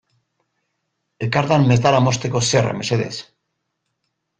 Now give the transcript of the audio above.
Ekardan metala mozteko zerra mesedez.